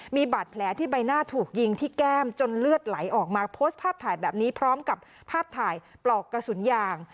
มีบาดแผลที่ใบหน้าถูกยิงที่แก้มจนเลือดไหลออกมาโพสต์ภาพถ่ายแบบนี้พร้อมกับภาพถ่ายปลอกกระสุนยาง